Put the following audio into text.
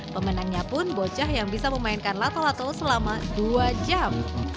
pemenangnya pun bocah yang bisa memainkan lato lato selama dua jam